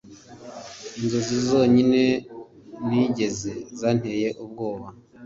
inzozi zonyine nigeze zanteye ubwoba